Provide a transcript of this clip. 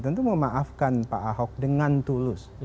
tentu memaafkan pak ahok dengan tulus